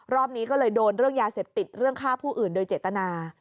นี้ก็เลยโดนเรื่องยาเสพติดเรื่องฆ่าผู้อื่นโดยเจตนา